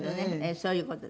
そういう事で。